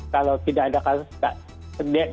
kalau tidak ada kasus sedet